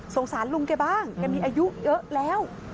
สารลุงแกบ้างแกมีอายุเยอะแล้ว